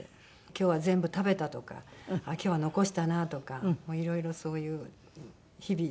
今日は全部食べたとかあっ今日は残したなとかいろいろそういう日々の事が。